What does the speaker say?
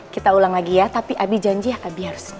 kita ulang lagi ya tapi abi janji ya abi harus